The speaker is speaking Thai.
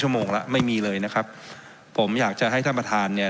โมงแล้วไม่มีเลยนะครับผมอยากจะให้ท่านประธานเนี่ย